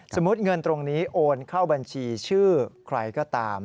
เงินตรงนี้โอนเข้าบัญชีชื่อใครก็ตาม